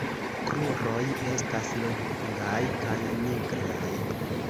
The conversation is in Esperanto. Kruroj estas longaj kaj nigraj.